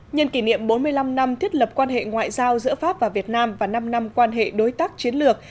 nhân kỷ niệm bốn mươi năm năm thiết lập quan hệ ngoại giao giữa pháp và việt nam và năm năm quan hệ đối tác chiến lược